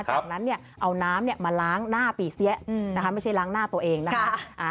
ดังนั้นเอาน้ำมาล้างหน้าปีเซี๊ยไม่ใช่ล้างหน้าตัวเองนะคะ